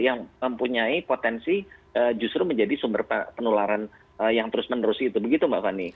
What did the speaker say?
yang mempunyai potensi justru menjadi sumber penularan yang terus menerus itu begitu mbak fani